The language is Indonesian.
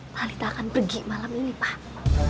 balita akan pergi malam ini pak